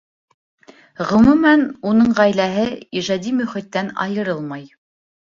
Ғөмүмән, уның ғаиләһе ижади мөхиттән айырылмай.